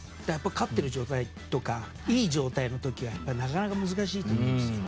勝ってたりいい状態の時はなかなか難しいと思います。